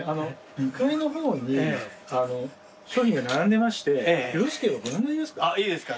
２階の方に商品が並んでましてよろしければご覧になりますか？